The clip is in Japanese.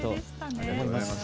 ありがとうございます。